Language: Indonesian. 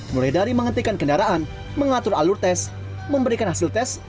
mulai dari menghentikan kendaraan mengatur alur tes memberikan hasil tes